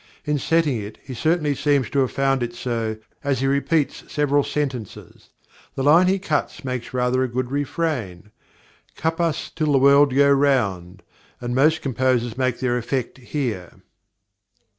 In setting it he certainly seems to have found it so, as he repeats several sentences. The line he cuts makes rather a good refrain "Cup us till the world goes round" and most composers make their effect here.